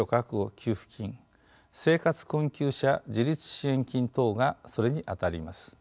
給付金生活困窮者自立支援金等がそれにあたります。